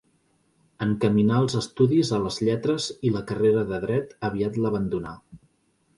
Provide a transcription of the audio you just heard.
Encaminà els estudis a les lletres i la carrera de Dret aviat l'abandonà.